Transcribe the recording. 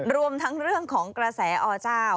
รวมทั้งเรื่องของกระแสอเจ้า